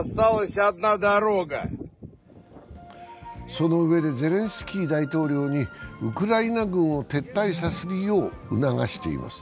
そのうえでゼレンスキー大統領にウクライナ軍を撤退させるよう促しています。